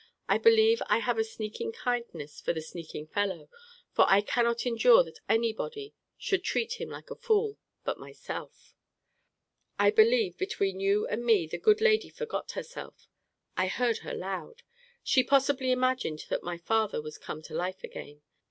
I believe I have a sneaking kindness for the sneaking fellow, for I cannot endure that any body should treat him like a fool but myself. I believe, between you and me, the good lady forgot herself. I heard her loud. She possibly imagined that my father was come to life again.